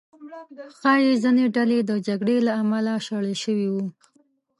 ښایي ځینې ډلې د جګړې له امله شړل شوي وو.